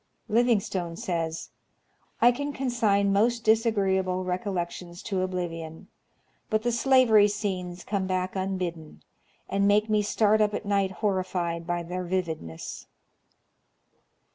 Livingstone says, " I can consign most disagreeable recollections to oblivion, but the slavery scenes come back unbidden, and make me start up at night horrified by their vividness."